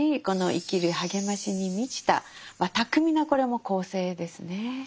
この生きる励ましに満ちた巧みなこれも構成ですね。